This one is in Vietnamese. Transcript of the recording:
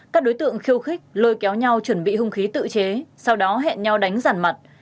các đối tượng khiêu khích lôi kéo nhau chuẩn bị hung khí tự chế sau đó hẹn nhau đánh rằn mặt